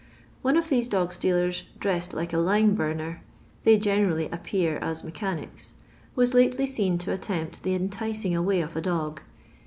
One of these dog stealers, dressed like a lime burner — they generally appear as me chanics— was ktely seen to attempt the enticing away of a dog.